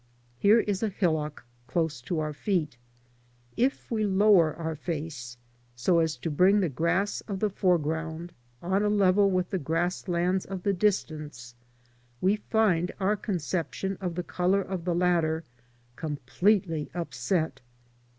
Here is a hillock close to our feet. If we lower our face, so as to bring the grass of the foreground on a level with the grass lands of the distance, we find our conception of the colour of the latter com pletely upset.